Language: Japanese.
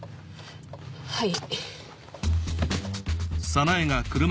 はい。